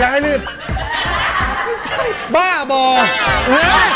การบ้าบอก